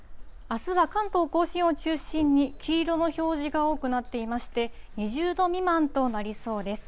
あすは関東甲信を中心に、黄色の表示が多くなっていまして、２０度未満となりそうです。